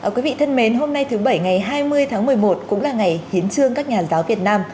quý vị thân mến hôm nay thứ bảy ngày hai mươi tháng một mươi một cũng là ngày hiến trương các nhà giáo việt nam